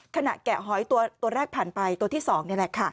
แกะหอยตัวแรกผ่านไปตัวที่๒นี่แหละค่ะ